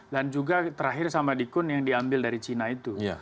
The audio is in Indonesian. dan juga terakhir sama dikun yang diambil dari cina itu